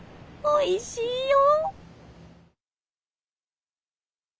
おいしいよ！